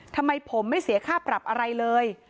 ทำไมผมไม่เสียค่าปรับอะไรเลย